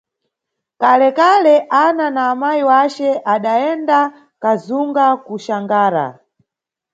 Kalekale, Ana na amayi wace adayenda kazunga kuXangara.